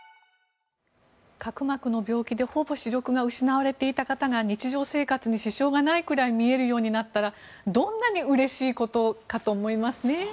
角膜の病気でほぼ視力を失われていた方が日常生活に支障がないくらい見えるようになったらどんなにうれしいことかと思いますね。